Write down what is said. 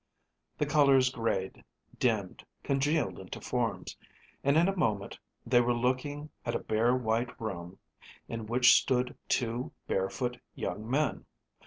The colors grayed, dimmed, congealed into forms, and in a moment they were looking at a bare white room in which stood two barefoot young men.